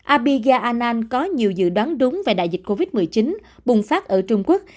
abiga an có nhiều dự đoán đúng về đại dịch covid một mươi chín bùng phát ở trung quốc